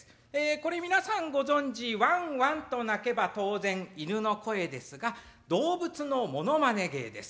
これ皆さんご存じワンワンと鳴けば当然犬の声ですが動物のものまね芸です